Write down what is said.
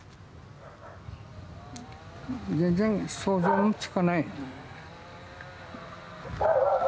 全然想像もつかない。